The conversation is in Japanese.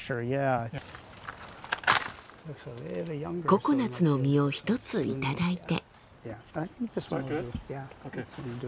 ココナツの実を一つ頂いて。